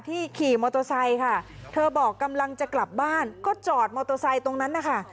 ขี่มอเตอร์ไซค์ค่ะเธอบอกกำลังจะกลับบ้านก็จอดมอเตอร์ไซค์ตรงนั้นนะคะ